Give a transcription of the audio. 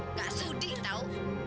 nggak sudi tau